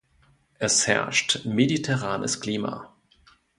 Es herrscht mediterranes Klima.